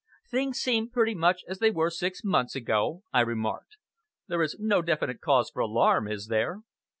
"Things seem pretty much as they were six months ago," I remarked. "There is no definite cause for alarm, is there?"